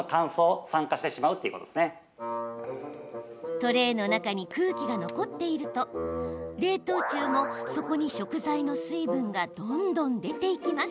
トレーの中に空気が残っていると冷凍中もそこに食材の水分がどんどん出ていきます。